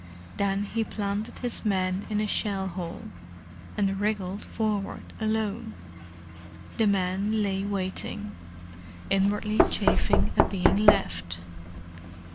Then he planted his men in a shell hole, and wriggled forward alone. The men lay waiting, inwardly chafing at being left.